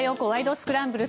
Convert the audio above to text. スクランブル」。